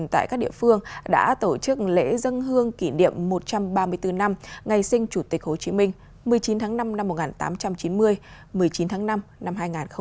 tại các địa phương đã tổ chức lễ dân hương kỷ niệm một trăm ba mươi bốn năm ngày sinh chủ tịch hồ chí minh một mươi chín tháng năm năm một nghìn tám trăm chín mươi một mươi chín tháng năm năm hai nghìn hai mươi bốn